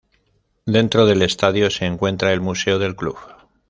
Dentro del estadio se encuentra el museo del club.